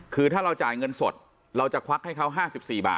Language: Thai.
คือถ้าเราจ่ายเงินสดเราจะควักให้เขา๕๔บาท